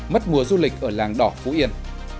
mất mùa du lịch ở làng đỏ phú yên